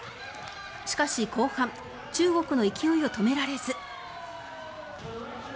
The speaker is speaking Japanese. しかし、後半中国の勢いを止められず。